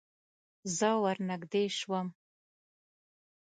زه ور نږدې شوم.